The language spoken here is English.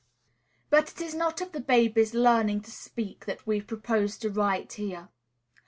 But it is not of the baby's learning to speak that we propose to write here.